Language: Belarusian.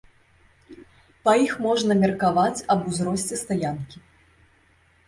Па іх можна меркаваць аб узросце стаянкі.